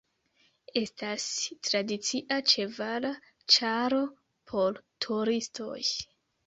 Estas tradicia ĉevala ĉaro por turistoj.